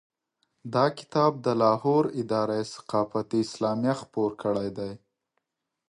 دا کتاب د لاهور اداره ثقافت اسلامیه خپور کړی دی.